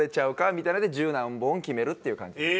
みたいなので十何本決めるっていう感じです。